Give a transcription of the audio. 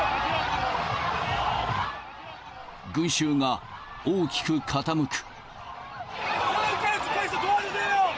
群衆が大きく傾く。